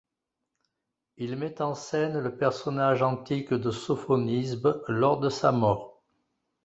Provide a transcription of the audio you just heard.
Il met en scène le personnage antique de Sophonisbe lors de sa mort.